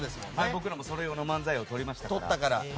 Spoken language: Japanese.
僕らもそれ用の漫才を撮りましたから。